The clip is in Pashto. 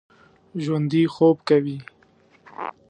ژوندي خوب کوي